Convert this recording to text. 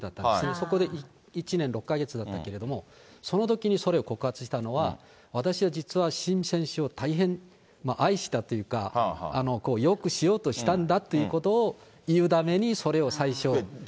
そこで１年６か月だったけれども、そのときにそれを告発したのは、私は実はシム選手を大変愛したというか、よくしようとしたんだっていうことを言うためにそれを最初。